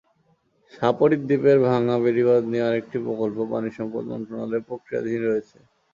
শাহপরীর দ্বীপের ভাঙা বেড়িবাঁধ নিয়ে আরেকটি প্রকল্প পানিসম্পদ মন্ত্রণালয়ে প্রক্রিয়াধীন রয়েছে।